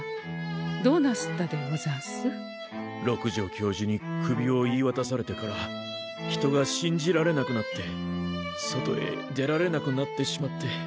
教授にクビを言いわたされてから人が信じられなくなって外へ出られなくなってしまって。